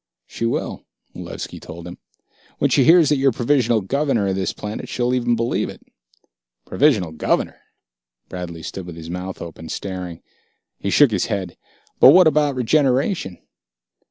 "She will," Malevski told him. "When she hears that you're Provisional Governor of this planet, she'll even believe it." "Provisional Governor?" Bradley stood with his mouth open, staring. He shook his head. "But what about regeneration...?"